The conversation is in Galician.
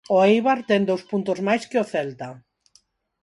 O Éibar ten dous puntos máis que o Celta.